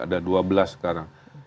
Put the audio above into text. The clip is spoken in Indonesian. ada dua belas sekarang